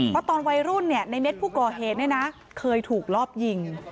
เพราะตอนวัยรุ่นในเม็ดผู้ก่อเหตุเคยถูกรอบยิง